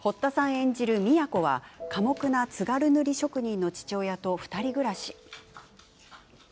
演じる美也子は寡黙な津軽塗職人の父親と２人暮らし。